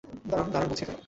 দাঁড়ান, দাঁড়ান বলছি এখানে!